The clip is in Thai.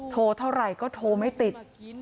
โทรเท่าไหร่ก็โทรไม่ติด